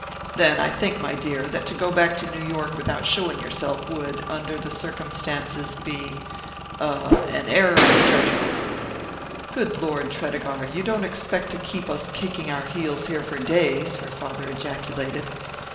"Then I think, my dear, that to go back to New York without showing yourself would, under the circumstances, be er an error in judgment." "Good Lord, Tredegar, you don't expect to keep us kicking our heels here for days?" her father ejaculated.